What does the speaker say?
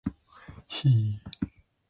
He is a resident of Absecon.